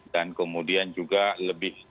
dan kemudian juga lebih